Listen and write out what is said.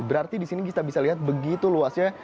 berarti di sini kita bisa lihat begitu luasnya